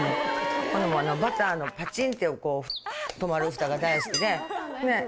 これもバターのパチンって止まるフタが大好きで。